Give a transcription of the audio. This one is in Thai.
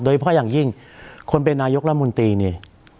โดยเพราะอย่างยิ่งคนเป็นนายกละมูลตีเนี่ย